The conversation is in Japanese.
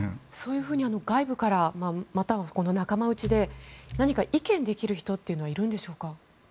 そういうふうに外部からまたは仲間内で何か意見できる人というのはいるんでしょうか。